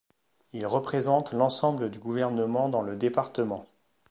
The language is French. Il représente l'ensemble du gouvernement dans le département.